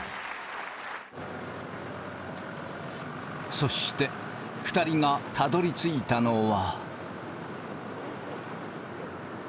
そして２人がたどりついたのは。